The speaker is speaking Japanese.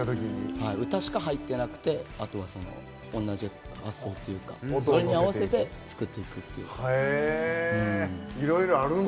歌しか入ってなくて、あとは同じ発想っていうかそれに合わせて作っていくっていう。